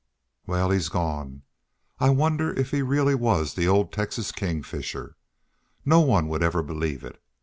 "Wal, he's gone.... I wonder if he really was the old Texas King Fisher. No one would ever believe it....